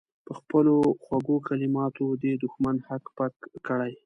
په خپلو خوږو کلماتو دې دښمن هک پک کړي.